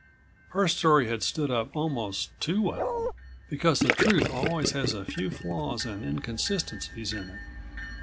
Her story had stood up almost too well ... because the truth always has a few flaws and inconsistencies in it.